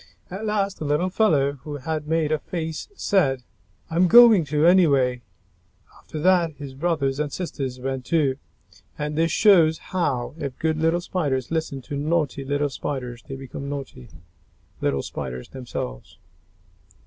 At last the little fellow who had made a face said, "I'm going to, anyway." After that, his brothers and sisters went, too. And this shows how, if good little Spiders listen to naughty little Spiders, they become naughty little Spiders themselves.